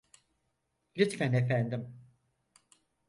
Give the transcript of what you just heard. Lütfen efendim!